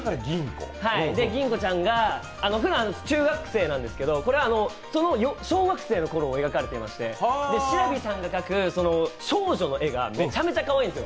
銀子ちゃんがふだん中学生なんですけどその小学生の頃を描かれていましてしらびさんが描く少女の絵がかわいいんです。